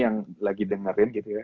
yang lagi dengerin gitu ya